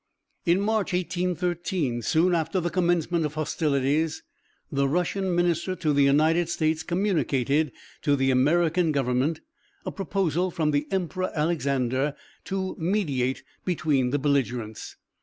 In March, 1813, soon after the commencement of hostilities, the Russian minister to the United States communicated to the American government a proposal from the Emperor Alexander to mediate between the belligerents.